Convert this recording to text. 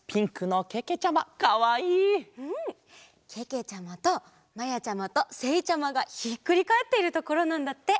けけちゃまとまやちゃまとせいちゃまがひっくりかえってるところなんだって。